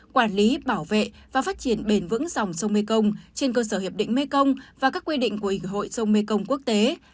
quản lý bảo vệ và phát triển bền vững dòng sông mekong trên cơ sở hiệp định mekong và các quy định của ủy hội sông mekong quốc tế